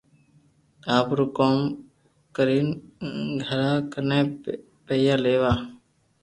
آپرو ڪوم ڪرين گراڪني پيئا ليوا